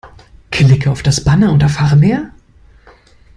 Klicke auf das Banner und erfahre mehr!